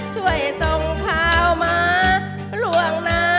ช่วยส่งข่าวมาล่วงหน้า